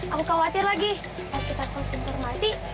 aku khawatir lagi pas kita terus informasi